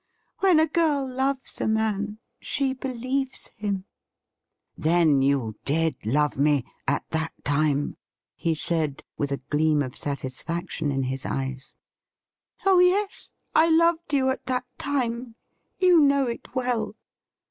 When a girl loves a man she believes him.' ' Then, you did love me — at that time .?' he said, with a gleam of satisfaction in his eyes. ' Oh yes, I loved you at that time ; you know it well.